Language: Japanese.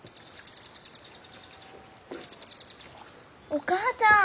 お母ちゃん！